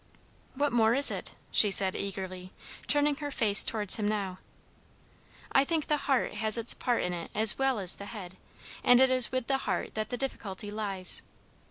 "What more is it?" she said eagerly, turning her face towards him now. "I think the heart has its part in it as well as the head, and it is with the heart that the difficulty lies.